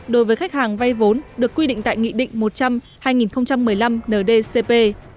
đối với khách hàng vay vốn được quy định tại nghị định một trăm linh hai nghìn một mươi năm ndcp